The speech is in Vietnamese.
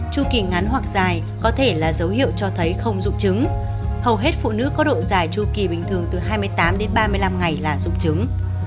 chu kỳ ngắn hoặc dài có thể là dấu hiệu cho thấy không rụng trứng hầu hết phụ nữ có độ dài tru kỳ bình thường từ hai mươi tám đến ba mươi năm ngày là rụng trứng